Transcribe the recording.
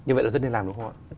như vậy là rất nên làm đúng không ạ